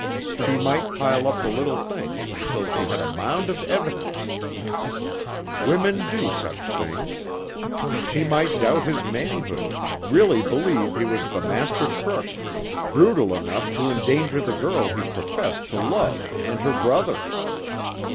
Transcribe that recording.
She might pile up the little things until she had a mound of evidence—women do such things. She might doubt his manhood, really believe he was the master crook, brutal enough to endanger the girl he professed to love and her brother.